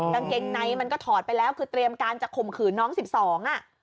กางเกงในมันก็ถอดไปแล้วคือเตรียมการจะข่มขืนน้องสิบสองอ่ะ